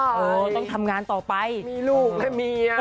เออต้องทำงานต่อไปมีลูกและเมีย